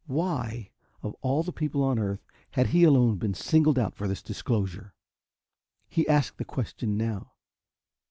Why, of all people on earth, had he alone been singled out for this disclosure? He asked the question now.